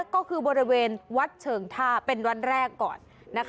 ก็คือบริเวณวัดเชิงท่าเป็นวันแรกก่อน